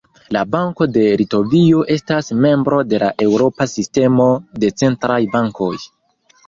La Banko de Litovio estas membro de la Eŭropa Sistemo de Centraj Bankoj.